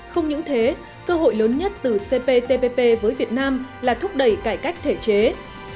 không những thế cơ hội lớn nhất từ cptpp với việt nam là thúc đẩy cải cách thể chế